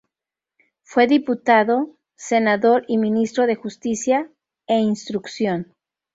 Fue diputado, senador y ministro de Justicia e Instrucción.